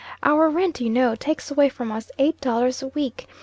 Our rent, you know, takes away from us eight dollars a week.